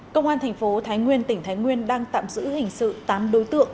công an thành phố thái nguyên tỉnh thái nguyên đang tạm giữ hình sự tám đối tượng